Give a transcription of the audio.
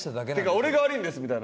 「俺が悪いんです」みたいな。